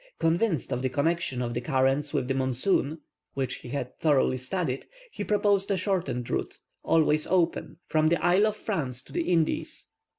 Convinced of the connexion of the currents with the monsoon, which he had thoroughly studied, he proposed a shortened route, always open, from the Isle of France to the Indies.